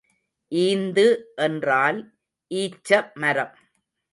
ஈந்து என்றால் ஈச்ச மரம்.